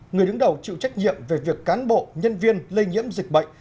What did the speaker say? người đứng đầu chịu trách nhiệm về việc cán bộ nhân viên lây nhiễm dịch bệnh